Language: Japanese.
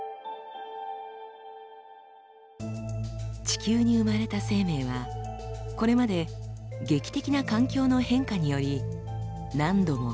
地球に生まれた生命はこれまで劇的な環境の変化により何度も大量絶滅に直面してきました。